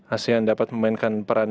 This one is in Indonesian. asean dapat memainkan peran